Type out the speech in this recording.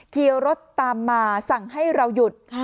ทีรถตามมาสั่งให้เราหยุด